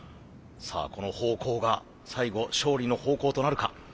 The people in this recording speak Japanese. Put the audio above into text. さあこの咆哮が最後勝利の咆哮となるか。